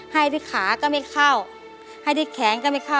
ให้ที่ขาก็ไม่เข้าให้ที่แขนก็ไม่เข้า